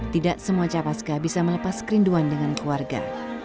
tidak semua capaska bisa melepas kerinduan dengan keluarga